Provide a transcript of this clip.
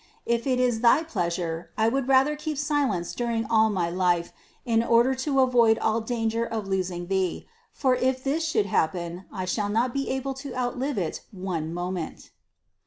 If it is thy pleasure, I would rather keep silence during all my life in order to avoid all danger of losing Thee; for if this should happen, I shall not be able to outlive it one mo ment."